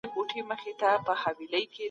زه په واړو شیانو خپل ارزښتناک وخت نه بربادوم.